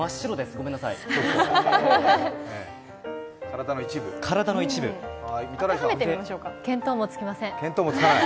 ごめんなさい、体の一部見当もつきません。